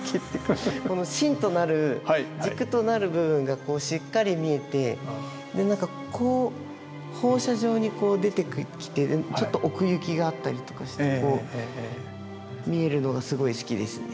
芯となる軸となる部分がしっかり見えてこう放射状に出てきてるちょっと奥行きがあったりとかして見えるのがすごい好きですね。